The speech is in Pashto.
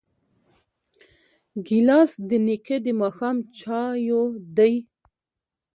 ګیلاس د نیکه د ماښام چایو دی.